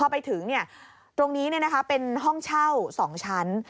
พอไปถึงตรงนี้เป็นห้องเช่า๒ชั้น